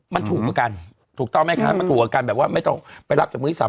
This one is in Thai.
มันถูกกว่ากันถูกต้องไหมคะมันถูกกว่ากันแบบว่าไม่ต้องไปรับจากมือที่สาม